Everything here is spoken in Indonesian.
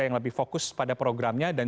yang lebih fokus pada programnya dan